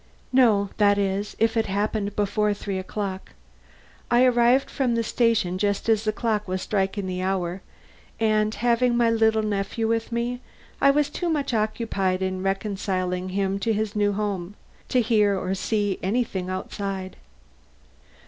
"No; that is, if it happened before three o'clock. I arrived from the station just as the clock was striking the hour, and having my little nephew with me, I was too much occupied in reconciling him to his new home, to hear or see anything outside.